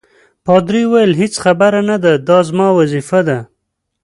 پادري وویل: هیڅ خبره نه ده، دا زما وظیفه ده.